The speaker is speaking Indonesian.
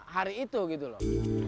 hari itu gitu loh